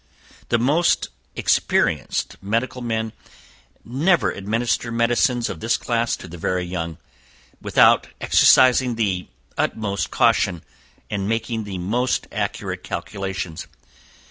"The most experienced medical men never administer medicines of this class to the very young, without exercising the utmost caution, and making the most accurate calculations.